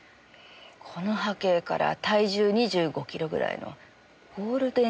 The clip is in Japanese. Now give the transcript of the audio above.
この波形から体重２５キロぐらいのゴールデンレトリバー。